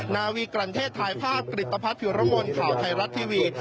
นาวีกรรณเทศถ่ายภาพกริตภัทรพิรมลข่าวไทยรัฐทีวี